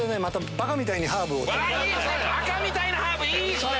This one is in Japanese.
バカみたいにハーブいいそれ！